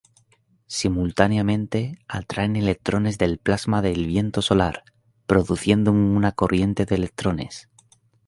Simultáneamente atraen electrones del plasma del viento solar, produciendo una corriente de electrones.